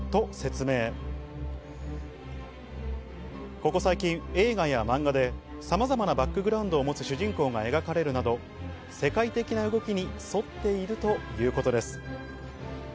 ここ最近、映画や漫画でさまざまなバックグラウンドを持つ主人公が描かれるなど、世界的な動きに沿っているということです。